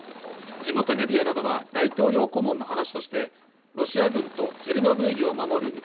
地元メディアなどは大統領顧問の話としてロシア軍とチェルノブイリを守る